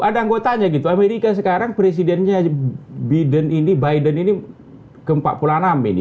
ada anggotanya gitu amerika sekarang presidennya biden ini biden ini ke empat puluh enam ini